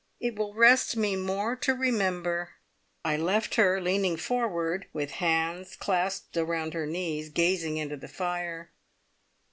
"It will rest me more to remember!" I left her leaning forward, with hands clasped round her knees, gazing into the fire.